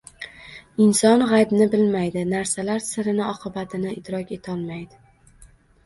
Inson g‘aybni bilmaydi, narsalar sirini, oqibatini idrok etolmaydi.